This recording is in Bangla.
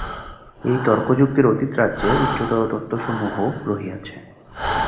এই তর্কযুক্তির অতীত রাজ্যে উচ্চতর তত্ত্বসমূহ রহিয়াছে।